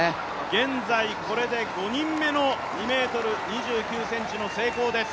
現在これで５人目の２ｍ２９ｃｍの成功です。